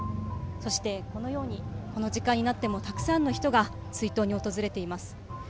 そしてこのようにこの時間になってもたくさんの人が追悼に訪れています。